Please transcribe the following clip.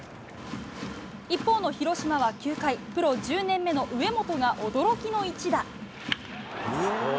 一方の広島は９回プロ１０年目の上本が驚きの一打。